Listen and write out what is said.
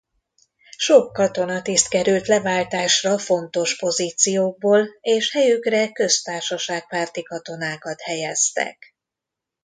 Sok katonatiszt került leváltásra fontos pozíciókból és helyükre köztársaságpárti katonákat helyeztek.